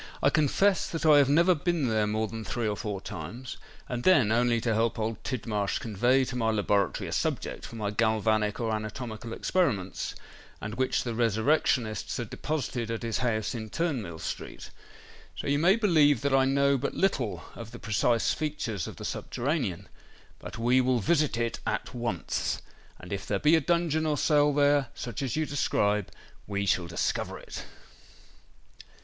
"I confess that I have never been there more than three or four times—and then only to help old Tidmarsh convey to my laboratory a subject for my galvanic or anatomical experiments, and which the resurrectionists had deposited at his house in Turnmill Street. So you may believe that I know but little of the precise features of the subterranean. But we will visit it at once; and if there be a dungeon or cell there, such as you describe, we shall discover it."